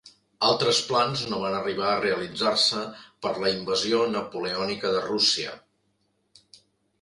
Altres plans no van arribar a realitzar-se per la Invasió napoleònica de Rússia.